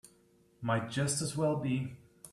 Might just as well be.